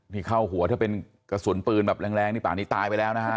มีเข้าหัวถ้าเป็นกระสุนปืนแรงในปากนี้ตายไปแล้วนะครับ